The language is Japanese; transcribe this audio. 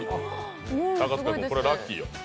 高塚君、これラッキーよ。